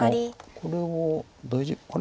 これは大丈夫あれ？